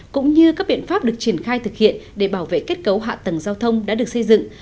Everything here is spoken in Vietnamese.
cũng như các biện pháp được triển khai thực hiện để bảo vệ kết cấu hạ tầng giao thông đã được xây dựng